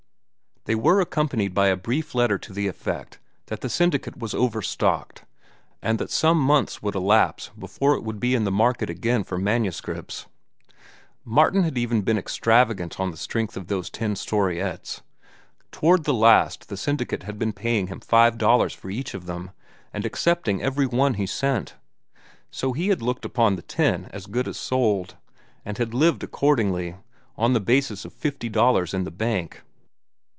They were accompanied by a brief letter to the effect that the syndicate was overstocked, and that some months would elapse before it would be in the market again for manuscripts. Martin had even been extravagant on the strength of those ten storiettes. Toward the last the syndicate had been paying him five dollars each for them and accepting every one he sent. So he had looked upon the ten as good as sold, and he had lived accordingly, on a basis of fifty dollars in the bank.